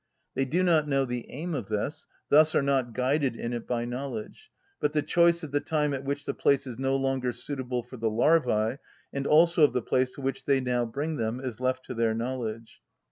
They do not know the aim of this, thus are not guided in it by knowledge; but the choice of the time at which the place is no longer suitable for the larvæ, and also of the place to which they now bring them, is left to their knowledge.